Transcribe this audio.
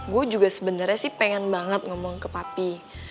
gue juga sebenarnya sih pengen banget ngomong ke papi